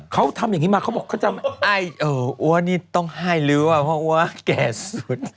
เขาทำอย่างนี้มาเขาบอกเขาจะอ้วนนี่ต้องให้ล้วเพราะอัวแก่สุด